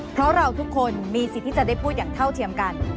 เพราะเราทุกคนมีสิทธิ์ที่จะได้พูดอย่างเท่าเทียมกัน